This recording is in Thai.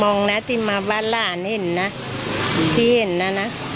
งนะที่มาบ้านหลานเห็นนะที่เห็นนะนะ